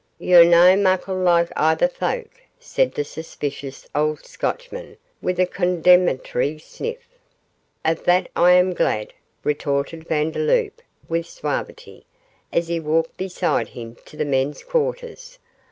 'You're no muckle like ither folk,' said the suspicious old Scotchman, with a condemnatory sniff. 'Of that I am glad,' retorted Vandeloup, with suavity, as he walked beside him to the men's quarters.